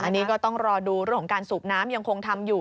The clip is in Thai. อันนี้ก็ต้องรอดูเรื่องของการสูบน้ำยังคงทำอยู่